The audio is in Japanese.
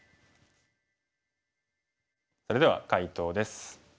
それでは解答です。